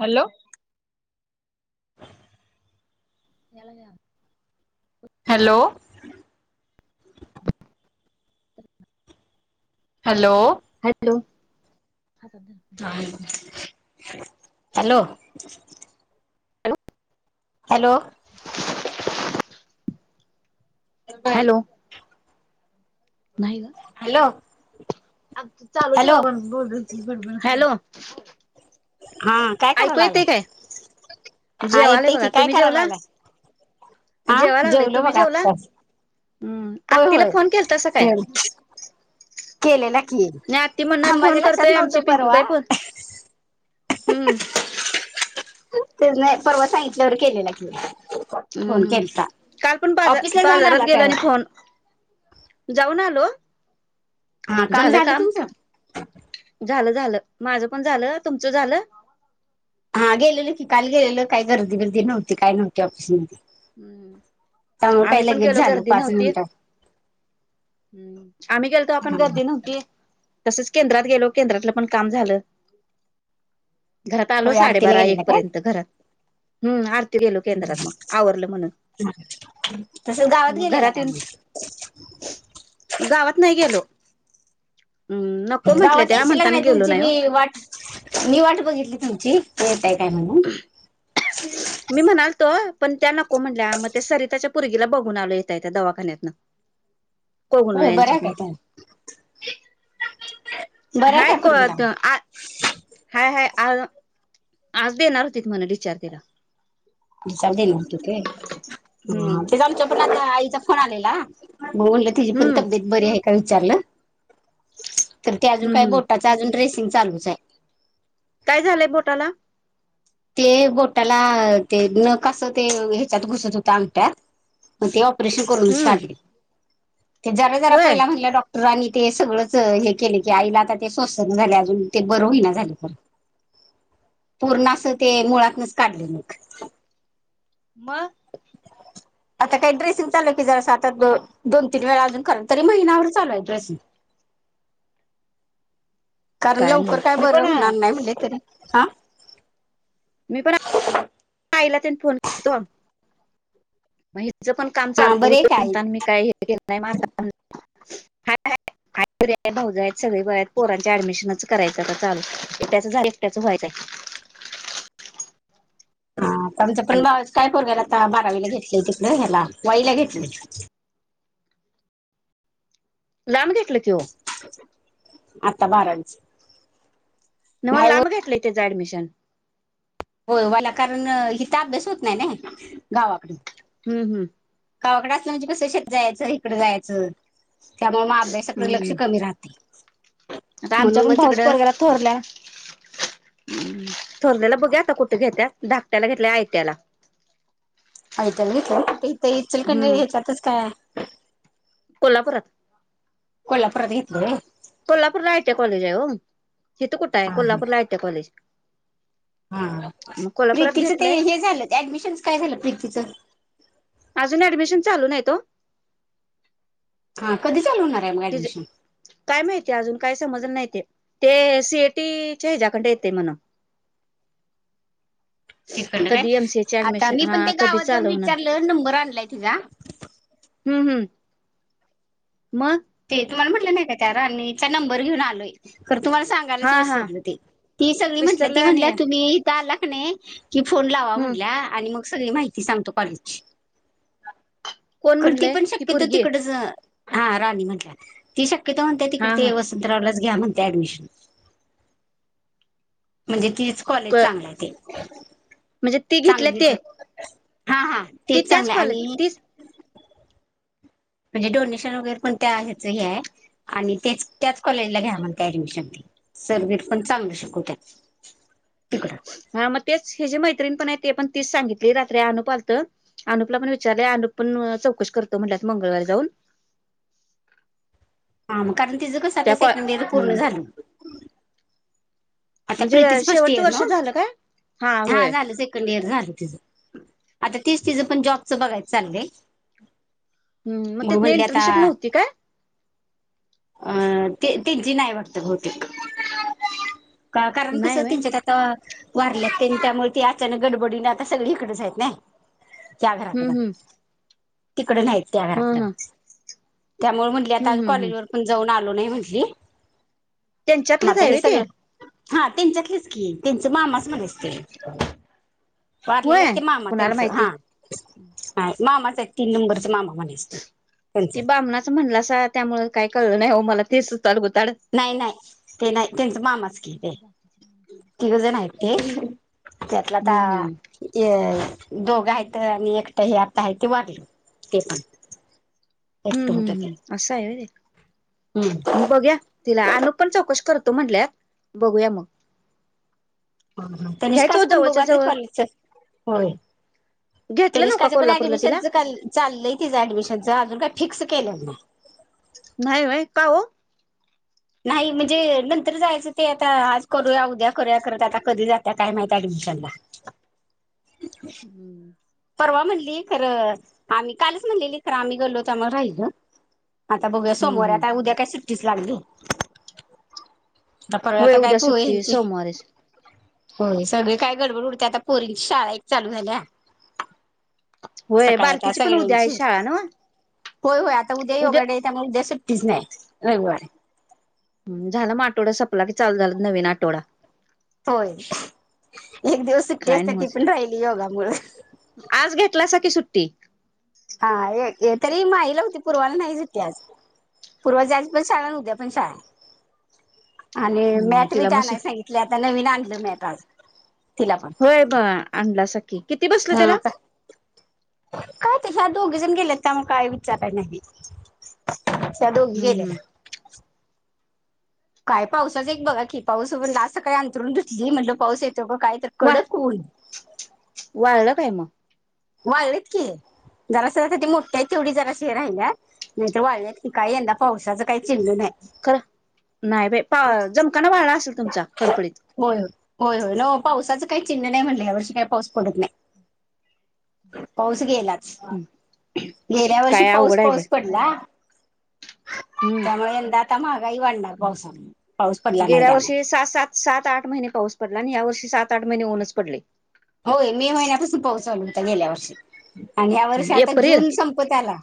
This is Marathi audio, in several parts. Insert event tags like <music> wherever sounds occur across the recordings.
हॅलो. नलाजा <inaudible> हॅलो ब hello. Hello hello <unintelligible> hello hello नाही का हॅलो अ चालू हॅलो ठेवण ब बबर खालो हा काय करायला ऐकू येते लागलाय काय हा जेव आले येते बघा की काय तुम्ही करायला जेवला लागलाय हा जेवा लागले जेवलो तुम्ही बघा जेवला आत्ताच हम्म आ होय तिला फोन होय केल तसं काय केले ना केले नाही आतती म्हणणा फोन करतोय आमची पिंकू काय फोन हम्म त्याने परवा सांगितल्यावर केलेलं क हम्म काल पण बाजार जाऊन बाजारात आला गेला काय आणि फोन जाऊन आलो झालं काम झालं झालं माझं पण झालं तुमचं झालं हा गेलेल की काल गेलेलो काही गर्दी गर्दी नव्हती काय नव्हती ऑफिसमध्येध्ये हम्म आम्ही पण गेलो झालं गर्दी पाच नव्हती मिनिटं हम्म आम्ही केल तरो आपण गर्दी नव्हती तसच केंद्रात गेलो केंद्रातलं पण काम झालं घरात आलो होय आरतीला साडेबारा एक गेलेला पर्यंत काय घरात हम्म आरती गेलो केंद्रात मग आवरलं म्हणून तस गावात मग गेलेला घरात का म येऊन गावात नाही गेलो हम् गावात येश लग नाही तुमची मी वाट मी वाट बघितली तुमची येत आहे काय म्हणून मी म्हणालतो पण त्या नको म्हटल्या मग ते सरिताच्या पुर्गीला बघून आलं येतय त्या दवाखान्यातनं <inaudible> कोगण बरं आहे यांच्यातं काय त्या बरं आहे हाय काय पोरगीला कत आ हाय हाय आ आज देणार होती म्हणून विचारतेला विले नत ते हम्म ते आमच्या प आता आईचा फोन आलेला मग ची पण हम्म तब्येत बरी आहे का विचारलं तर अजून हम्म काय हम्म बोट अजून ्रेसिंग चालूच आहे काय झालंय बोटाला ते बोटाला ते न कसं ते ह्याच्यात घुसत होतं अंगट्यात मग ते ऑपरेशन करूनच हम्म काढले जरा जरा होय पहिला म्हट डॉ रानी ते सगळंच हे केले की आईला आता ते सोसंना न झाले अजून ते बरं होई ना झालेय. पूर्ण असं ते मुळातनच काढले मग. म आता काही ड्रेसिंग चालूय की जरा स दोन तीन वेळा अजून कराल तरी महिनावर चालूय ड्रेसिंग. कारण नव्ह लवकर काय मी बरं पण होणार नाही म्हणले तरी हा. मी पण आईला त्यांनी फोन करतो. म हेंच पण काम चाल हा बरे होत काय म्हणता मी काय हे केलं नाही म आता हाय ह भाऊजय आहेत सगळे आहेत पोरांच्या ऍडमिशन करायचं आ चालू त्याच एकट्याच व्हायचं. हा आमच पण आहे भावच काय पोरग्याला आता बारावीला घेतले तिकडे ह्याला वाईला घेतले. लांब घेतलं की ओ. आता बारावीची. नव्ह लांब घेतलंय त्याचं ऍडमिशन. हो वाला कारण हिथ अभ्यास होत नाही ना गावाकड हूं हूं! कावाकड असलं म्हणजे कसं शेत जायचं इकडं जायचं. त्यामुळ म अभ्यासाकड लक्ष हम्म कमी राहतय. आता आमच्या पण भाऊच पोरग्याला थोरल्या थोरलेला बघु आता कुठ घेत्या धाकट्याला घेतल्या आयटीया ला आयटिया घेतलं आहे इथं इचलकन हम्म हेत्याच काय? कोल्हापुरात? कोल्हापुरात घेतलय व्हयं. कोल्हापूरला आईटिया कॉलेज आहे हो, इथ कुठं आहे हा कोल्हापूरला आईटिया कॉलेज हा मग कोल्हापुरात प्रीतीचं ते घेतलंय हे झालं ऍडमिशन चं काय झालं प्रीतीच. अजून ऍडमिशन चालू नाहीत ओ. हा कधी चालू होणार आहे मग तिचं ऍडमिशन? काय माहितीे अजून काय समजलं नाही ते सीएटीच्या हिच्याकंडय ते म्हण. इकडन काय कधी एमसीए ची आता ऍडमिशन मी पण हा ते कधी गावात जाऊन विचारलं, नंबर आणलाय तिचा. हूं हूं मग ते तुम्हाला म्हटलं नाही का त्या रानिचा नंबर घेऊन आलोय तर तुम्हाला सांग त्यालाचं हा हा विसरल ते ती सगळी म्हटल्यात विसरलं ती आणि म्हटल्यात तुम्ही इथ आला का नाही. कि फोन लावा हम्म म्हटल्या, आणि मग सगळी माहिती सांगतो कॉलेजची. कोण खर ती म्हटलंय पण शक्यतो पोरगी तिकडचं आ हा राणी म्हनलिया ती शक्यतो म्हणते हा तिकडे हा ते वसंतरावलाच घ्या म्हणते ऍडमिशन. म्हणजे तीच कॉलेज क- चांगली आहे ते, म्हणजे ती घेतल्या चांगलीच ते आहे. हा हा ती तेच त्याच चांगलं कॉलेज आणि तीच म्हणजे डोनेशन वगैरे पण त्या ह्याचं हे आहे, आणि तेच त्याच कॉलेजला घ्या म्हणते ऍडमिशन ती. सरबीर पण चांगल शिकवत्या तीकड हा मग तेच हिची मैत्रीण पण आहे ते पण तीच सांगितली रात्री अनुप आलत अनूपला पण विचारले अनूप पण चौकशी करतो म्हनल्यात मंगळवारी जाऊन. हा मं कारण तिज कस आता त्या कॉ सेकंडईयर पूर्ण हम्म झाल आता म्हणजे प्रीतीच फस्ट शेवटचं इयर ना वर्ष झालं काय हा झालंच ये सेकंडईयर झालं तिंच आता तीच तिज पण जॉबचं बघायच चालय. हम्म मग म तिथन म्हणले आता. इंटर्नशिप नव्हती काय अ ते ते जीनां हे वाटतं बहुतेक कां कारण नाही कसं व्हय त्येनंच्या त्या अ वारल्यात त्यांनी त्यामुळे ते अचानक गडबडीने आता सगळे हीकडच आहेत नाय. त्या घराकड हम्म हम्म तिकड नाहीत त्या हा घराकड हा त्यामुळे म्हणल ली आता हम्म आ हम्म हम्म कॉलेज वर पण जाऊन आलो नही म्हटली. मग त्यांच्यातलच आता आहे हे व्हय ते? सगळं हा त्यांच्यातलीच की त्यांच मामाच म्हणायचं ते. वारलेले होय आहेत ते मामा कुणाला त्यांचं माहिती हा मामाच आहेत तीन नंबरचा मामा म्हणे ते बामणाच म्हणलासा त्यामुळ काही कळलं नाही ओ मला ते सुताडगुताड. नाही नाही ते नाही त्यांच मामाच की ते तिघ जण आहेत ते. त्यातला त आ हम्म हम्म ते दोघ आहेत आणि एकट हे आता आहे ते वारलं ते पण हूं एकट हूं हूं असं आहे व्हयं हूं! बघुया तिला अनू पण चौकशी करतो म्हनल्याय बघूया मग ह ह घ्यायचं ओ तनिष्काचं पण बघु जवळच्या आता जवळ कॉलेजच होय घेतलं नव्ह का तनिषकाचं पण कोल्हापूरला तिला ऍडमिशनच चाललंय तिचं ऍडमिशनच अजून काय फिक्स केलं नाय. नाही व्हयं कांओ. नाही म्हणजे नंतर जायचं, ते आता आज करूया उद्या करूया, करत आता कधी जात्या काय माहित ऍडमिशनला. <inaudible> परवा म्हणली खरं आम्ही कालच म्हणलेली खरं आम्ही गलो तर आम्हाला राहिलो आता बघुया सोमवारी हम्म आता उद्या काय सुट्टीच लागली. आता परवा होय तर उद्या पोहे सुट्टी हेंचे सोमवारीच होय सगळे काय गडबड उडते आता पोरींची शाळा एक चालू झालिया. होय सकाळ आता बारकीची पण उद्या आहे सगळ्यांची. शाळा नव्ह होय होय आता उद्या योगा डे आहे त्यामुळे उद्या सुट्टीच नाही रविवार. ह झाला मग आठवडा सपला की चाल झाला नवीन आठवडा होय एक दिवस सुट्टी काय असते ती नव्हच पण राहिली योगा मु आज घेतला स की सुट्टी हा तरी माहिला होती पूर्वाला नाही ज त आज पूर्व जाची पण शाळा उद्या पण शाळा आणि हम्म मॅट बी तिला काा मस नाही सांगित आता नवीन आणलं मळट आज तिला पण होय ब आणला सखी किती बसल हा त्याला आता काय तच्या आ दोघे जण गेले त्या म काय विचारय नाही अशा दोघी हम्म गेले हम्म काय पावसाचा एक बघा की पाऊस पण असं काही अंतरण घेतली म्हटलं पाऊस येतो का काय तर वा कडक होऊन वाळलं काय मग वाढलेत की जरा शसाठी मोठक्या तेवढी जराशी हे राहिल्या नाही तर वाढल्या की काय यंदा पावसाच काही चेंडू नाही खरं नाही बा पा जमकाना वाळला असेल तुमचा कडकडीत होय होय होय न पावसाचं काही चिन्ह नाही म्हटले या वर्षी काही पाऊस पडत नाही पाऊस गेलाच गेल्या वर्षी काय पाऊस अवघड आहे बाई पाऊस पडला हम्म त्यामुळे यंदा आता महागाई वाडणार पावसा गेल्या वर्षी सात सात सात आठ महिने पाऊस पडला आणि या वर्षी सात आठ महिने ऊनच पडले होय मे महिन्यापासून पोचावल होतं गेल्या वर्षी आणि या्या वर्षी आता एप्रिल जून संपत आला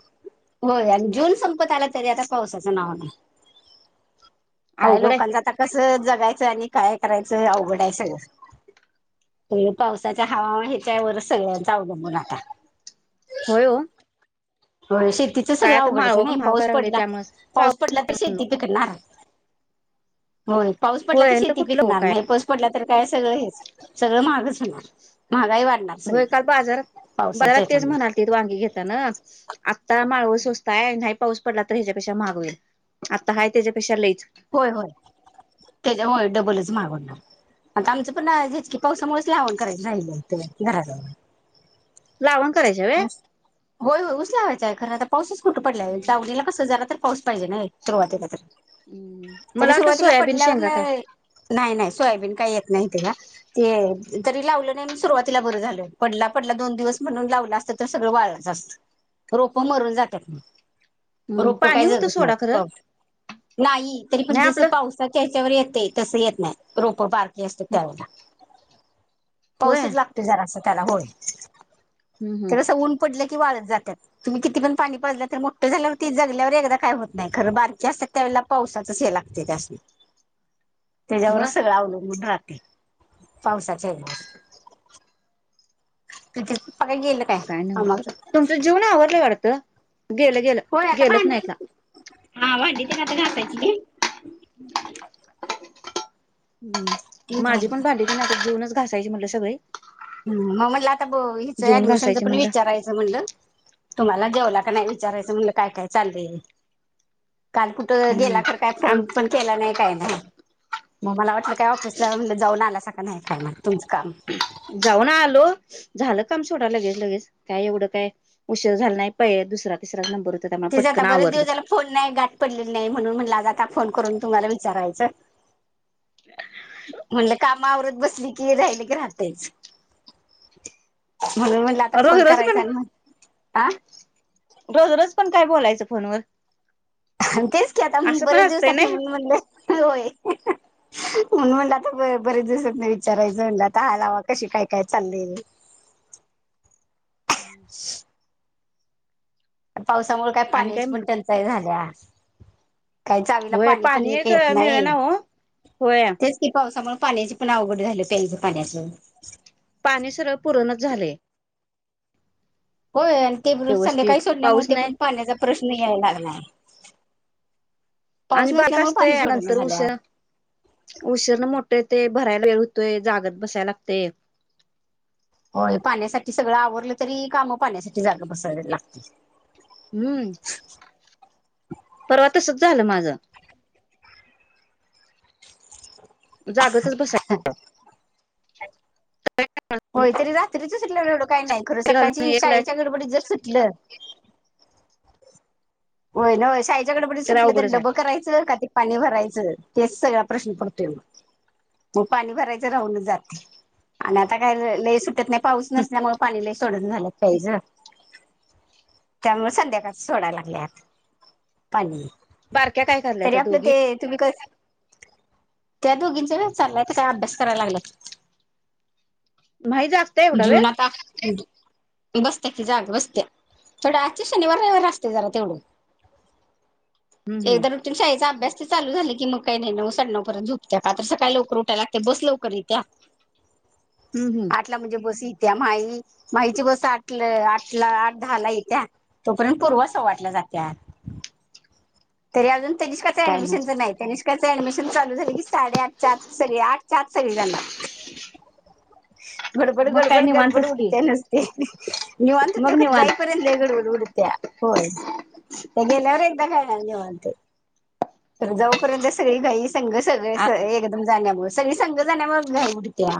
होय आणि जून संपत आला तरी आता पावसाचं नाव नाही काही अवघड आहे लोकांचा आता कसं जगायचं आणि काय करायचं अवघडाय सगळं ते पावसाच्या हवामा ह्याच्यावरच सगळ्यांचा अवलंबून आता होयो हो शेतीच सगळं अवघडचं माळव नाही पण महाग पाऊस व्हायला लागले पडला त्यामुळेच पाऊस पडला तर शेती पिकणार होय पाऊस पडला तर होय शेती कुठलं हो पिकणार काय नाही पडलं तर काय सगळं हेच सगळं महागच होणार महागाही वाढणार होय सगळी काल बाजार बाजारात पावसाच्या तेच ह्याच्यामुळे म्हणालतील वांगी घेताना आता माळव सत काय नाही पाऊस पडला तर ह्याच्यापेक्षा मागवेल आता हय त्याच्यापेक्षा लईच होय होय त्याच्या होय डबलच मागवणार आता आमचं पण झच की पावसामुळेच लावण करायला राहिलं होते घरा लाव होय होय उसलावायचा आहे खरं आता पाऊसच खोटं पडलाय वडीला कस झालं तर पाऊस पाहिजे ना सुरुवातीला तरी तरी मला वाटलं सुरुवातीला सोयाबीन पडल्यावर शेंगा ना काय नाही नाही सोयाबीन काही येत नाही ते का ते तरी लावलं नाही सुरुवातीला बरं झाल पडला पडला दोन दिवस म्हणून लावला तर सगळं वाळ जा असत रोप मरून जातात ना रोप काय पाणी होतं जगत सोडा खरं नाही नाही तरी पण नाही जस आपलं पाऊस ह्याच्यावर येत तस येत नाही रोप बारकीी असत त्यावेळेला होय पाऊसच लागतो जरा अस त्याला होय हम्म हम्म तरसं ऊन पडलं की वाळत जातात तुम्ही किती पण पाणी पाजलं तर मोठं झाल्यावरती जगल्यावर एकदा काय होत नाही खरं बारकी असत त्यावेळेला पावसाचच हे लागते त्यासून त्याच्यावरच मग सगळं अवलंबून राहते पावसाच्या हवर त पघ गेलं काय नव तुमचं जीवन आवडलं काढत गेलं गेलं होय आता गेलंच भांडी नाहीत हा भांडी त ना आता घासायची हम् माझी पण भांडी प ना आता जेवनच घासायची म्हटलं सगळे ह मग मटला आता ब जेवून हिचंऍडमिशनचं घासायची पण म्हटलं विचारायचं म्हणलं तुम्हाला जेवला का नाही विचारायचं म्हणलं काय काय चालय काल कुठं हम्म गेला तर काय आम फोन पण केला नाही काय नाही मग मला वाटलं काय ऑफिसलाणजे जाऊन आला स कां नाही काय मला तुमचं काम जाऊन आलो झालं काम छोटा लगेच लगेच काय एवढं काय उशीर झालं नाही पहि दुसरा विश्रवणम पररत ठ आहे तिथ आता बरेच दिवसाला फोन नाही गाठ पडलेले नाही म्हणून म्हणलं आज आता फोन करून तुम्हाला विचारायचं म्हटलं का वर ब क राह म्हण आ रोज फोन रोज पण करायचा रोज रोज पण काय बोलायचं फोनवर आणि तेच की आता मग असं पण बरे दिवस असतंय आपलं नाही मग म्हणले होय म्हणलं आता बरेच दिसत नाही विचारायचं म्हणलं आता हलावाग कशी काय काय चाललीली हम् पावसामुळे काय पाण्याची पण टंचाई झाल्या काही चावीला होय पाणी पण हे का एक येत मिळे नाही ना हो होय तेच पावसामुळेळ पाण्याची पण अवघड झालं प्यायचं पाण्याचं पाणी सर्व पुरणच झाले होय आणि ते व्यवस्थित संध्याकाळी सोडण्यामुळे पाऊस ते नाही पण पाण्याचा प्रश्न यायला लागलाय आणि पाऊस बा का नसल्यामुळे पाणी असतय सोडना नंतर झाल्या उषा उशीरण मोठे ते भरायला वेळ होतोय जागत बसायला लागते हो पाण्यासाठी सगळं आवरलं तरी काम पाण्यासाठी जाग बसाय लागतील हम्म परवा तसच झालं माझं जागतच बसाय हम होय तरी रात्रीच सुटलं एवढं काही नाही खरं घालून सकाळची एक लाईट शाळेच्या गडबडीत जर सुटलं होय नाय शाईच्याकडे प सुटलं तर अवघडच डबं आहे करायं का ते पाणी भरायचं तेच सगळ प्रश्न पडतोय मग मग पाणी भरायचं राहूनच जाते आणि आता काय लई सुटत नाही पाऊस नसल्यामुळे पाणी ल सोडून झालं पाहिज त्यामुळे संध्याकाळ सोडायला लागलेत. पाणी बारक्या काय कराल्या तरी त्या आपलं दोघी ते तुम्ही कस. त्या दोघींच व चाललायच काय अभ्यास करायला लागलाय. नाही जास्त जुना तर बसत्या की जाग बसत्या थोड्या आजच्या शनिवार रविवार असते जरा तेवढं. हम्म हम्म एकदण शाळेचा अभ्यास ते चालू झाला की मग काही नाही नऊ साण्णऊ परतंत झुपत्या का तर सकाळी लवकर उठाय लागते बस लवकर येत्या. हम् हम आठला म्हणजे बस येत्या माई माहीची बस आठ आठला आठ दहा ला येत्या. तोपर्यंत पूर्व सव्वा आठला जाते. तरी अजून तनिष्काचं काय मग ऍडमिशन नाही त्यांनी. ऍडमिशन चालू झाले की साडे आठच्या आठच्या आत सारे जाणार. गडबड मग काय गडबड गडबड निवांतच की उडते नसते. निवांत मग खरी निवांत जाईपर्यंतगड उडत्या होय त्या गेल्यावर एकदा काय. धन्यवाद तर जाऊपर्यंत सगळी घाई संघ सगळे आ एकदम जाण्यामु सगळी संघ जाण्यामुळे घाई उठते